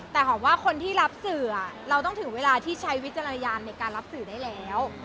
แต่หอมว่าคนที่รับสื่อเราต้องถึงเวลาที่ใช้วิจารณญาณในการรับสื่อได้แล้ว